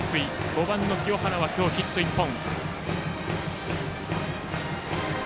５番の清原は今日ヒット１本。